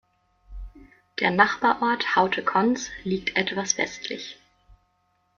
Der Nachbarort Haute-Kontz liegt etwas westlich.